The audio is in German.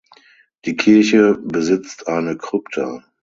Die Kirche besitzt eine Krypta.